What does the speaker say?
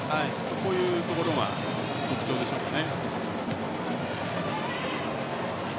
こういうところが特徴でしょうかね。